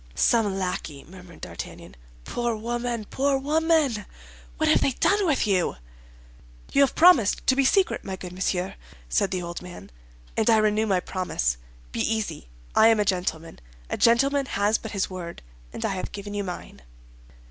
"Some lackey," murmured D'Artagnan. "Poor woman, poor woman, what have they done with you?" "You have promised to be secret, my good monsieur?" said the old man. "And I renew my promise. Be easy, I am a gentleman. A gentleman has but his word, and I have given you mine."